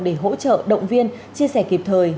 để hỗ trợ động viên chia sẻ kịp thời